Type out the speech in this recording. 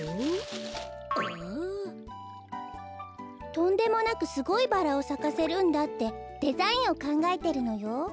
とんでもなくすごいバラをさかせるんだってデザインをかんがえてるのよ。